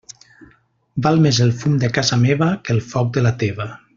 Val més el fum de casa meva que el foc de la teva.